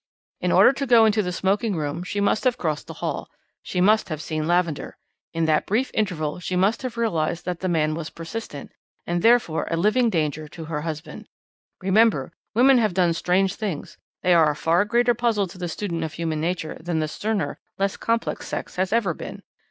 "In order to go into the smoking room she must have crossed the hall; she must have seen Lavender. In that brief interval she must have realized that the man was persistent, and therefore a living danger to her husband. Remember, women have done strange things; they are a far greater puzzle to the student of human nature than the sterner, less complex sex has ever been.